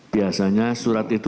biasanya surat itu